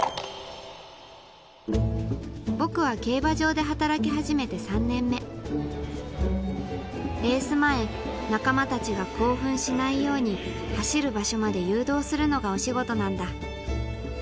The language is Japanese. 僕は競馬場で働き始めて３年目レース前仲間たちが興奮しないように走る場所まで誘導するのがお仕事なんだ